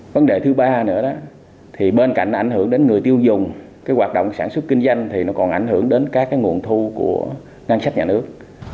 vấn đề thứ ba nữa đó thì bên cạnh ảnh hưởng đến người tiêu dùng cái hoạt động sản xuất kinh doanh thì nó còn ảnh hưởng đến các cái nguồn thu của ngân sách nhà nước